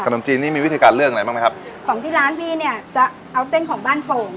นมจีนนี้มีวิธีการเลือกอะไรบ้างไหมครับของที่ร้านพี่เนี่ยจะเอาเส้นของบ้านโป่ง